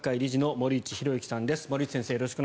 森内先生